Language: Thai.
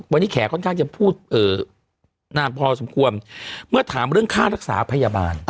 วันนี้แขค่อนข้างจะพูดนานพอสมควรเมื่อถามเรื่องค่ารักษาพยาบาล